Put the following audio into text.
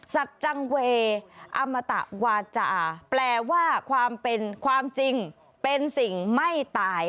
จังเวอมตะวาจาแปลว่าความเป็นความจริงเป็นสิ่งไม่ตาย